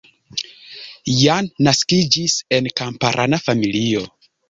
Jan naskiĝis en kamparana familio.